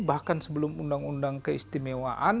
bahkan sebelum undang undang keistimewaan